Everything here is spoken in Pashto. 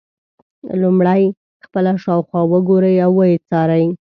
لومړی خپله شاوخوا وګورئ او ویې څارئ.